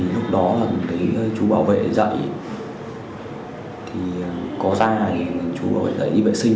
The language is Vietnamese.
lúc đó chú bảo vệ dậy có da chú bảo vệ dậy đi vệ sinh